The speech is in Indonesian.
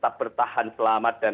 tetap bertahan selamat dan